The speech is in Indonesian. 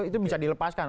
itu bisa dilepaskan